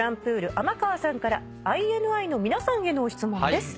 尼川さんからＩＮＩの皆さんへの質問です。